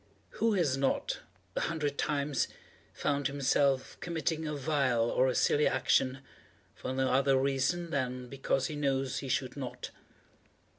Who has not, a hundred times, found himself committing a vile or a silly action, for no other reason than because he knows he should not?